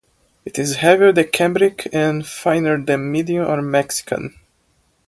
It is heavier than cambric, and finer than medium or Mexican.